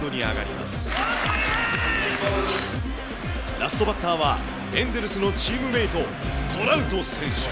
ラストバッターは、エンゼルスのチームメート、トラウト選手。